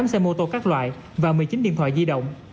bốn xe mô tô các loại và một mươi chín điện thoại di động